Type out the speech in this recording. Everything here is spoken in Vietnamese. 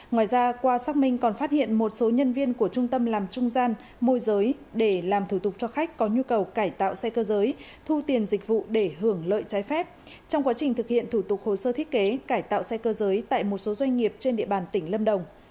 ngoài ra qua xác minh còn phát hiện một số nhân viên của trung tâm làm trung gian môi giới để làm thủ tục cho khách có nhu cầu cải tạo xe cơ giới thu tiền dịch vụ để hưởng lợi trái phép trong quá trình thực hiện thủ tục hồ sơ thiết kế cải tạo xe cơ giới tại một số doanh nghiệp trên địa bàn tỉnh lâm đồng